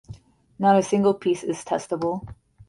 Not a single piece is testable.